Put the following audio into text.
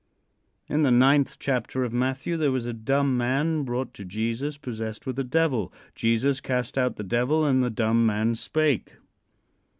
In the ninth chapter of Matthew there was a dumb man brought to Jesus, possessed with a devil. Jesus cast out the devil and the dumb man spake.